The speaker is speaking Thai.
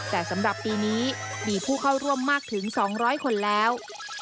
แต่สำหรับปีนี้มีผู้เข้าร่วมมากถึง๒๐๐คนแล้ว